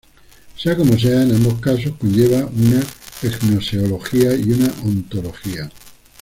Sea como sea, en ambos casos conlleva una gnoseología y una ontología.